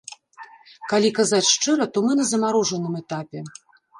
Калі казаць шчыра, то мы на замарожаным этапе.